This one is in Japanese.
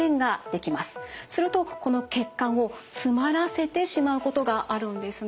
するとこの血管を詰まらせてしまうことがあるんですね。